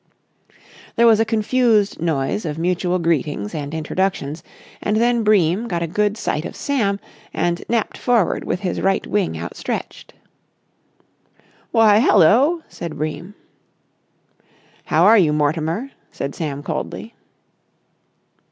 There was a confused noise of mutual greetings and introductions, and then Bream got a good sight of Sam and napped forward with his right wing outstretched. "Why, hello!" said Bream. "How are you, Mortimer?" said Sam coldly.